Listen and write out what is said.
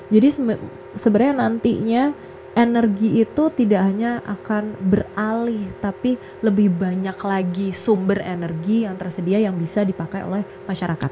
jadi sebenarnya nantinya energi itu tidak hanya akan beralih tapi lebih banyak lagi sumber energi yang tersedia yang bisa dipakai oleh masyarakat